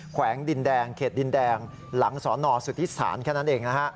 แวงดินแดงเขตดินแดงหลังสนสุธิศาลแค่นั้นเองนะฮะ